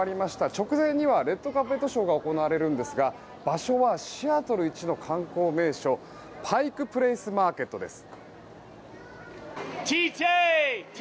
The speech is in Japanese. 直前にはレッドカーペットショーが行われるんですが場所はシアトル市の観光名所パイクプレースマーケットです。